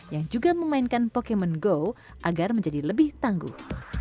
yang juga memainkan pokemon go agar menjadi lebih tangguh